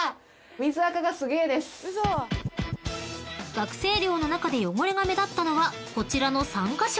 ［学生寮の中で汚れが目立ったのはこちらの３カ所］